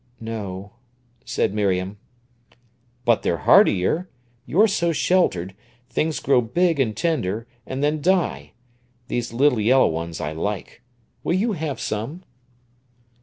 "No," said Miriam. "But they're hardier. You're so sheltered; things grow big and tender, and then die. These little yellow ones I like. Will you have some?"